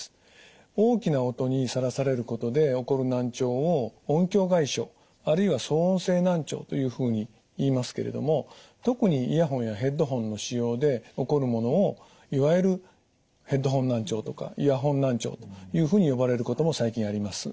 大きな音にさらされることで起こる難聴を音響外傷あるいは騒音性難聴というふうにいいますけれども特にイヤホンやヘッドホンの使用で起こるものをいわゆるヘッドホン難聴とかイヤホン難聴というふうに呼ばれることも最近あります。